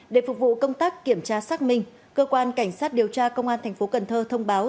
để phục vụ công tác kiểm tra xác minh cơ quan cảnh sát điều tra công an thành phố cần thơ thông báo